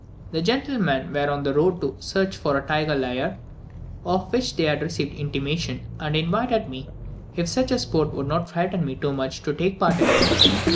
The gentlemen were on the road to search for a tiger lair, of which they had received intimation, and invited me, if such a sport would not frighten me too much, to take part in it.